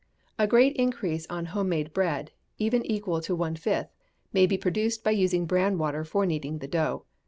A great increase on Home made Bread, even equal to one fifth, may be produced by using bran water for kneading the dough.